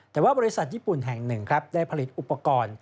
แต่ว่าบริษัทญี่ปุ่นแห่งหนึ่งครับได้ผลิตอุปกรณ์